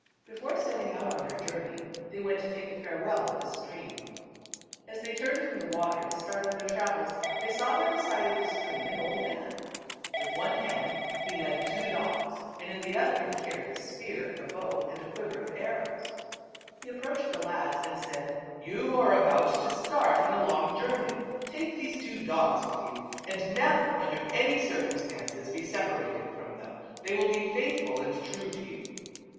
Before setting out on their journey they went to take a farewell of the stream. As they turned from the water to start on their trav els they saw by the side of the stream an old man. With one hand he led two dogs and in the other TWO BROTHERS. 287 he carried a spear, a bow and a quiver of arrows. He approached the lads and said, " You are about to start on a long journey ; take these two dogs with you, and never, under any circumstances, be separated from them ; they will be faithful and true to you."